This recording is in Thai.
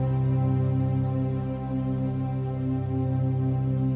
โปรดติดตามตอนต่อไป